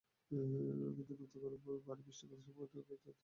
কিন্তু নতুন করে ভারী বৃষ্টিপাত সেই সম্ভাবনাকে শেষ করে দেয় তখনই।